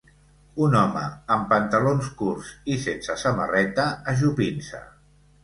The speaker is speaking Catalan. Un home amb pantalons curts i sense samarreta ajupint-se.